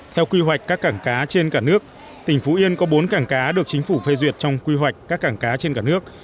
theo quy hoạch các cảng cá trên cả nước tỉnh phú yên có bốn cảng cá được chính phủ phê duyệt trong quy hoạch các cảng cá trên cả nước